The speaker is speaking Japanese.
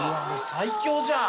最強じゃん。